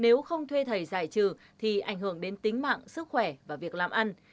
nếu không thuê thầy giải trừ thì ảnh hưởng đến tính mạng sức khỏe và việc làm ăn